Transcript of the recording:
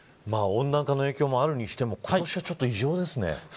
温暖化の影響があるにしても今年はちょっと異常ですね。